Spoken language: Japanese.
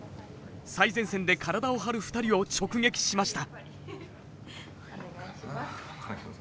最前線で体を張る２人を直撃しました。